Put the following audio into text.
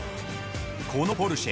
このポルシェ